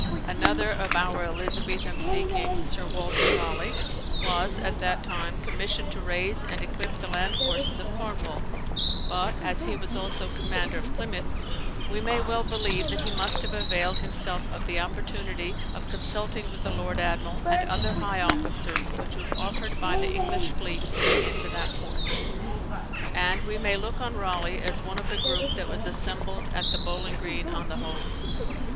Another of our Elizabethan sea kings, Sir Walter Raleigh, was at that time commissioned to raise and equip the land forces of Cornwall; but, as he was also commander of Plymouth, we may well believe that he must have availed himself of the opportunity of consulting with the lord admiral and other high officers which was offered by the English fleet putting into that port; and we may look on Raleigh as one of the group that was assembled at the Bowling Green on the Hoe.